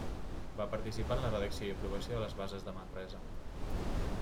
Va participar en la redacció i aprovació de les Bases de Manresa.